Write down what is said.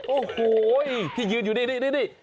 โอ้โหที่ยืนอยู่นี่